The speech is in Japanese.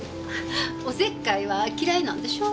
おせっかいは嫌いなんでしょ。